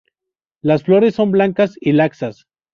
Las flores son blancas y laxas.